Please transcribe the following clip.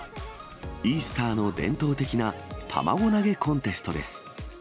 イースターの伝統的なたまご投げコンテストです。